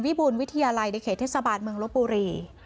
บูรณวิทยาลัยในเขตเทศบาลเมืองลบบุรี